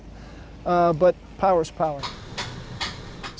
tapi kekuatan adalah kekuatan